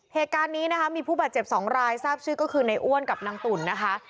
เหตุการณ์นี้นะคะมีผู้บาดเจ็บสองรายทราบชื่อก็คือในอ้วนกับนางตุ๋นนะคะ